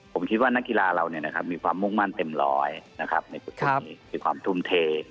ผมคิดว่านักกีฬาเรามีความมุ่งมั่นเต็มร้อยในจุดนี้มีความทุ่มเท